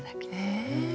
へえ。